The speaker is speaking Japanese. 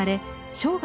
生涯